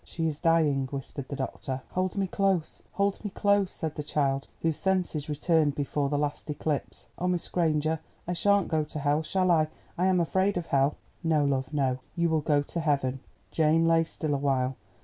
"She is dying," whispered the doctor. "Hold me close, hold me close!" said the child, whose senses returned before the last eclipse. "Oh, Miss Granger, I shan't go to hell, shall I? I am afraid of hell." "No, love, no; you will go to heaven." Jane lay still awhile.